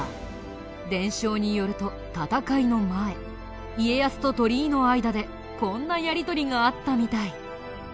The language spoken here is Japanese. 伝承によると戦いの前家康と鳥居の間でこんなやり取りがあったみたい。